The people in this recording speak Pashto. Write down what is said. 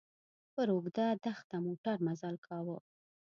پر اوږده دښته موټر مزل کاوه.